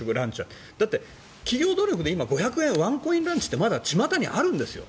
だって企業努力で今、ワンコインランチってまだ、ちまたにあるんですよ。